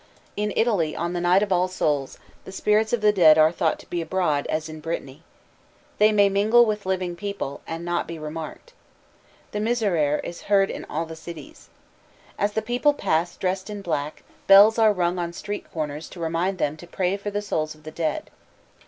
In Italy on the night of All Souls', the spirits of the dead are thought to be abroad, as in Brittany. They may mingle with living people, and not be remarked. The Miserere is heard in all the cities. As the people pass dressed in black, bells are rung on street corners to remind them to pray for the souls of the dead.